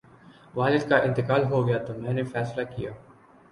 والد کا انتقال ہو گیا تو میں نے فیصلہ کیا